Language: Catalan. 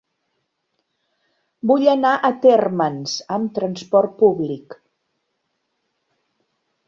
Vull anar a Térmens amb trasport públic.